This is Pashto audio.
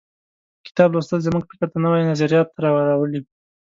کتاب لوستل زموږ فکر ته نوي نظریات راولي.